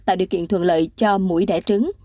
tạo điều kiện thuận lợi cho mũi đẻ trứng